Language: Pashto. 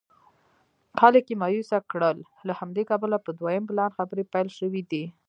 خلک یې مایوسه کړل له همدې کبله په دویم پلان خبرې پیل شوې دي.